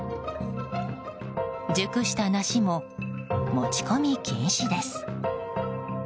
熟したナシも持ち込み禁止です。